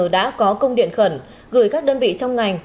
đã có công điện khẩn gửi các đơn vị trong ngành